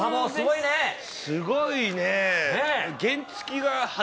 すごいね。